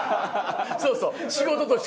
そうそう。